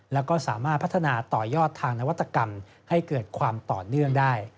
แล้วก็สามารถพัฒนาต่อยอดทางนวัตกรรมให้เกิดความต่อเนื่องได้